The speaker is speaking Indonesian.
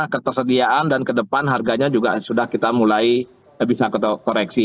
ketersediaan dan ke depan harganya juga sudah kita mulai bisa koreksi